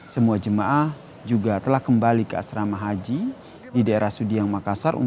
semua jemaah juga telah kembali ke asrama haji di daerah sudiang makassar